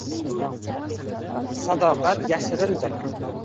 Sadoqat yashirindir